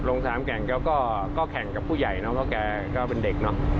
ลงสนามแข่งแกก็แข่งกับผู้ใหญ่เนอะเพราะแกก็เป็นเด็กเนอะ